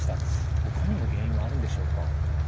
ほかにも原因はあるんでしょうか？